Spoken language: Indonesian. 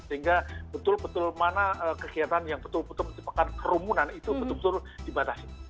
sehingga betul betul mana kegiatan yang betul betul menyebabkan kerumunan itu betul betul dibatasi